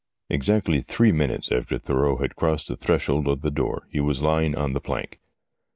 Exactly three minutes after Thurreau had crossed the threshold of the door he was lying on the plank.